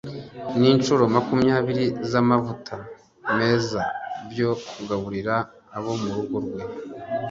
n’incuro makumyabiri z’amavuta meza byo kugaburira abo mu rugo rwe